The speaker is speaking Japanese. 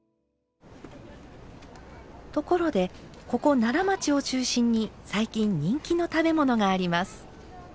ところでここ奈良町を中心に最近人気の食べ物があります。